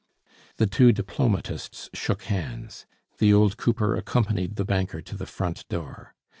The two diplomatists shook hands. The old cooper accompanied the banker to the front door.